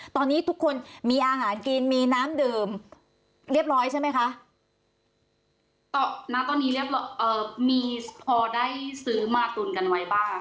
ตอนนี้ทุกคนมีอาหารกินมีน้ำดื่มเรียบร้อยใช่ไหมคะณตอนนี้เรียบเอ่อมีพอได้ซื้อมาตุนกันไว้บ้าง